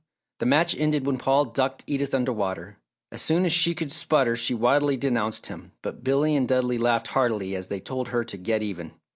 The match ended when Paul ducked Edith under water. As soon as she could sputter, she wildly denounced him, but Billy and Dudley laughed heartily as they told her to "get even."